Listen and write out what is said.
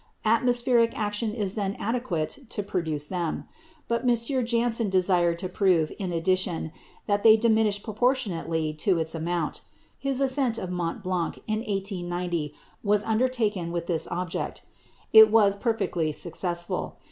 Atmospheric action is then adequate to produce them. But M. Janssen desired to prove, in addition, that they diminish proportionately to its amount. His ascent of Mont Blanc in 1890 was undertaken with this object. It was perfectly successful.